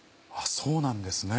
そうなんですね。